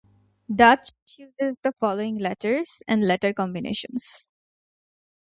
Dutch uses the following letters and letter combinations.